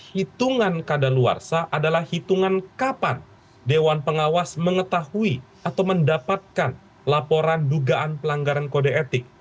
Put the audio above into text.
hitungan kadaluarsa adalah hitungan kapan dewan pengawas mengetahui atau mendapatkan laporan dugaan pelanggaran kode etik